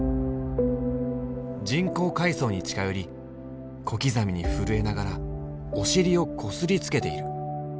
人工海藻に近寄り小刻みに震えながらお尻をこすりつけている。